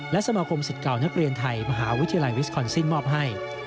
และสมาคมสิทธิ์เก่านักเรียนไทยมหาวิทยาลัยวิสคอนซินมอบให้